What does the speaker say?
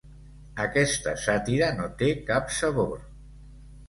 Aquesta sàtira no té cap sabor.